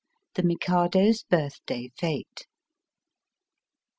THE mikado's BIETHDAT f6tE.